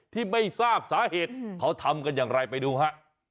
ที่ไม่ทราบสาเหตุเขาทำกันอย่างไรไปดูฮะ